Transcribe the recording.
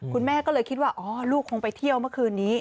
คุณแม่ก็เลยคิดว่าอ๋อลูกคงไปเที่ยวเมื่อคืนนี้